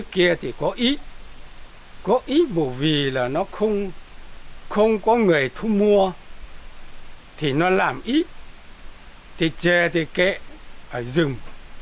không có người thu mua thì nó làm ít thì trẻ thì kệ ở rừng